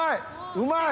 うまい！